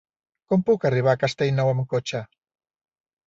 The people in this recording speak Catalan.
Com puc arribar a Castellnou amb cotxe?